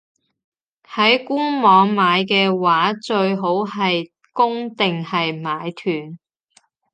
喺官網買嘅話，最好係供定係買斷?